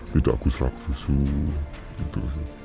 tidak gusrak gusuk gitu